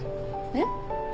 えっ？